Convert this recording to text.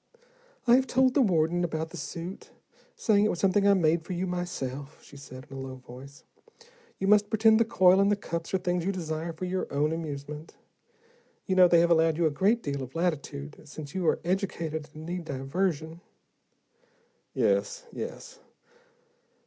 "I have told the warden about the suit, saying it was something I made for you myself," she said, in a low voice. "You must pretend the coil and the cups are things you desire for your own amusement. You know, they have allowed you a great deal of latitude, since you are educated and need diversion." "Yes, yes.